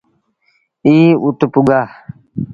ائيٚݩ اُت پُڳآ۔